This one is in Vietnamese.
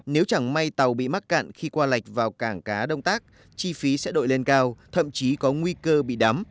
nếu chẳng may tàu bị mắc cạn khi qua lạch vào cảng cá đông tác chi phí sẽ đội lên cao thậm chí có nguy cơ bị đắm